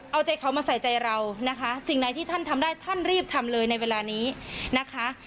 เอาใจเขามาใส่ใจเรานะคะสิ่งไหนที่ท่านทำได้ท่านรีบทำเลยในเวลานี้นะคะ